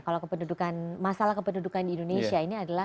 kalau kependudukan masalah kependudukan di indonesia ini adalah